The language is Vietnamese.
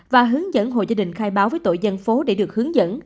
và hướng dẫn hộ gia đình khai báo với tội dân phố để được hướng dẫn